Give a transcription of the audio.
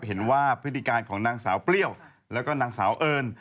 พฤติการของนางสาวเปรี้ยวแล้วก็นางสาวเอิญ